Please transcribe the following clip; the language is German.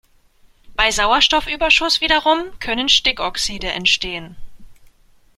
Bei Sauerstoffüberschuss wiederum können Stickoxide entstehen.